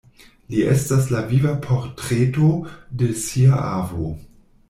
Li estas la viva portreto de sia avo!